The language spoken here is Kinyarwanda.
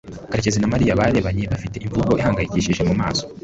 karekezi na mariya bararebanye bafite imvugo ihangayikishije mu maso